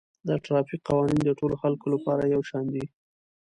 د ټرافیک قوانین د ټولو خلکو لپاره یو شان دي